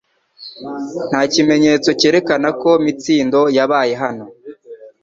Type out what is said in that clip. Nta kimenyetso cyerekana ko Mitsindo yabaye hano